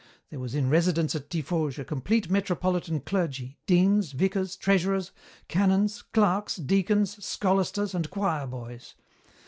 There was in residence at Tiffauges a complete metropolitan clergy, deans, vicars, treasurers, canons, clerks, deacons, scholasters, and choir boys.